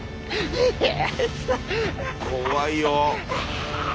怖いよ。